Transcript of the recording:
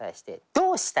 「どうした？